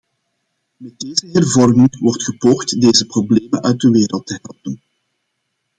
Met deze hervorming wordt gepoogd deze problemen uit de wereld te helpen.